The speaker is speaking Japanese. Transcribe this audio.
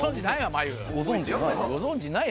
ご存じない？